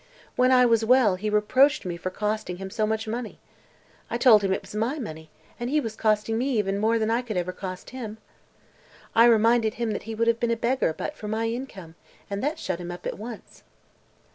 When I was well, he reproached me for costing him so much money. I told him it was my money, and he was costing me more than I could ever cost him. I reminded him he would have been a beggar, but for my income, and that shut him up at once."